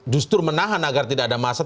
justru menahan agar tidak ada masa